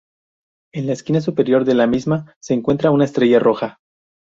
En la esquina superior de la misma se encuentra una estrella roja.